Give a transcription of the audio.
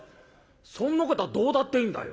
「そんなことはどうだっていいんだよ。